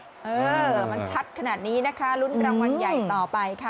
เออมันชัดขนาดนี้นะคะลุ้นรางวัลใหญ่ต่อไปค่ะ